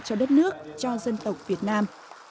cho đất nước cho dân tộc việt nam